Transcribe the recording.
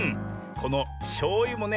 このしょうゆもね